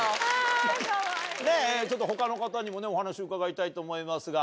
ちょっと他の方にもお話伺いたいと思いますが。